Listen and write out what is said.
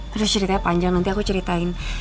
terus ceritanya panjang nanti aku ceritain